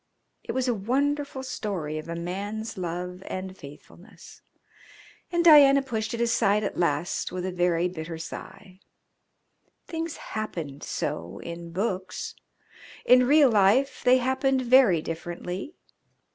It was a wonderful story of a man's love and faithfulness, and Diana pushed it aside at last with a very bitter sigh. Things happened so in books. In real life they happened very differently.